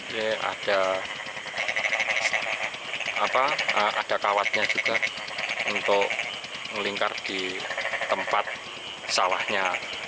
jadi ada kawatnya juga untuk melingkar di tempat sawahnya